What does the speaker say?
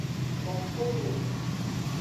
Fonfonme.